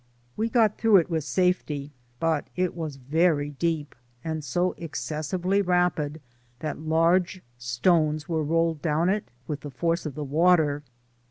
We got through it with safety, but it was very deep, and so excessively rapid, that large stones were rolled down it with the force of the water.